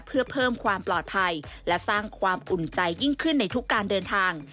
เพื่อเพิ่มความปลอดภัยและสร้างความอุ่นใจยิ่งขึ้นในทุกการเดินทาง